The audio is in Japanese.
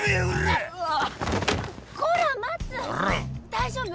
大丈夫？